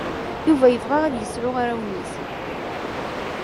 Yuba yebɣa ad yesɛu arraw-nnes.